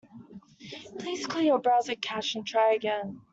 Please clear your browser cache and try again.